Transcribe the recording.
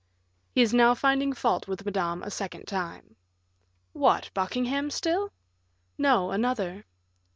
"He is now finding fault with Madame a second time." "What, Buckingham still?" "No, another."